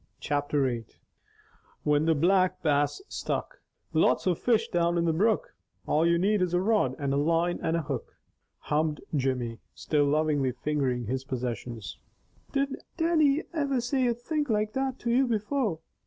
Chapter VIII WHEN THE BLACK BASS STRUCK "Lots of fish down in the brook, All you need is a rod, and a line, and a hook," hummed Jimmy, still lovingly fingering his possessions. "Did Dannie iver say a thing like that to you before?"